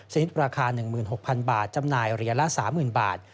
ชนิดราคา๑๖๐๐๐บาทจำหน่ายเหรียญละ๓๐๐๐บาท